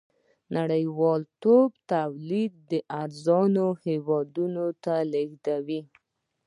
نړۍوالتوب تولید ارزانو هېوادونو ته لېږدوي.